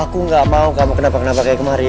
aku gak mau kamu kenapa kenapa kayak kemarin